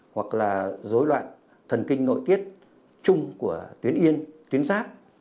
hoặc là dối loạn thần kinh nội tiết chung của tuyến yên tuyến giáp